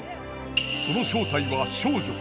その正体は少女。